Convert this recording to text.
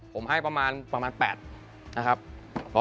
ผมให้ประมาณ๘นะครับ